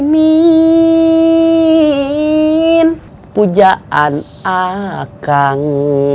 mimin pujaan akang